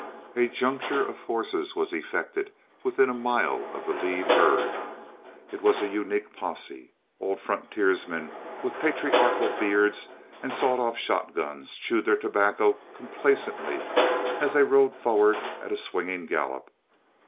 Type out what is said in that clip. A juncture of forces was effected within a mile of the lead herd. It was a unique posse. Old frontiersmen, with patriarchal beards and sawed off shotguns, chewed their tobacco complacently as they rode forward at a swinging gallop.